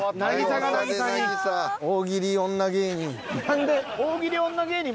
大喜利女芸人。